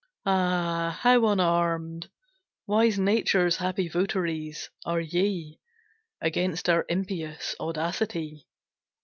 Ah, how unarmed, Wise Nature's happy votaries, are ye, Against our impious audacity!